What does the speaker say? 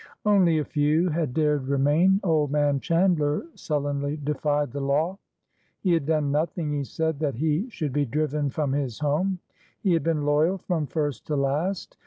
Only a few had dared remain. Old man Chandler sul lenly defied the law. He had done nothing, he said, that he should be driven from his home. He had been loyal from first to last.